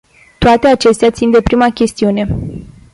Toate acestea țin de prima chestiune.